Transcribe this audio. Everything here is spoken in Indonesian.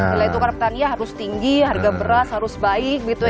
bila itu karena petani harus tinggi harga berat harus baik gitu ya